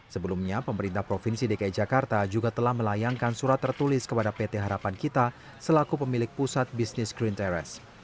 sebelumnya pemerintah provinsi dki jakarta juga telah melayangkan surat tertulis kepada pt harapan kita selaku pemilik pusat bisnis green terrace